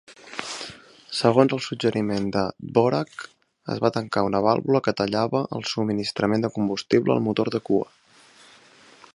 Segons el suggeriment de Dvorak, es va tancar una vàlvula que tallava el subministrament de combustible al motor de cua.